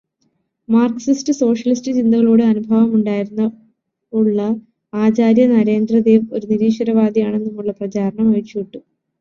Marxist socialist ചിന്തകളോട് അനുഭാവമുണ്ടായിരുന്ന ഉള്ള ആചാര്യ നരേന്ദ്ര ദേവ് ഒരു നിരീശ്വരവാദിയാണെന്നുമുള്ള പ്രചാരണം അഴിച്ചു വിട്ടു.